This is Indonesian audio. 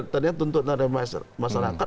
ternyata tuntutan dari masyarakat